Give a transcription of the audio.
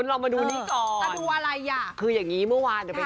เรามาดูนี้ก่อนแต่รู้อะไรคือยังงี้เมื่อวานเป็น